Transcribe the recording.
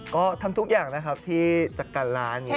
ก็ทำทุกอย่างนะครับที่จัดการร้าน